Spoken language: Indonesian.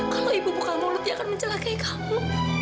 kalau ibu buka mulut dia akan mencelakai kamu